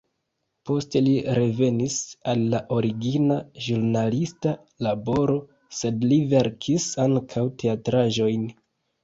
Poste li revenis al la origina ĵurnalista laboro, sed li verkis ankaŭ teatraĵojn.